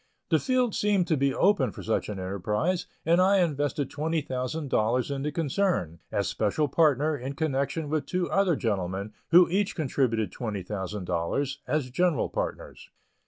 The field seemed to be open for such an enterprise, and I invested twenty thousand dollars in the concern, as special partner, in connection with two other gentlemen, who each contributed twenty thousand dollars, as general partners.